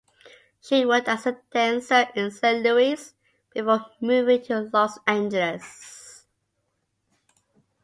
She worked as a dancer in Saint Louis before moving to Los Angeles.